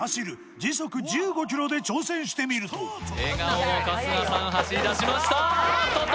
時速１５ｋｍで挑戦してみると笑顔の春日さん走りだしましたー！